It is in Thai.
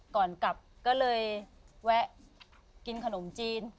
ก่อนกลับก็เลยแวะกินขนมจีน